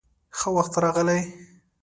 _ښه وخت راغلې.